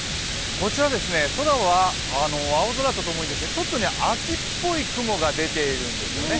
こちら空は青空と共にちょっと秋っぽい雲が出ているんですよね。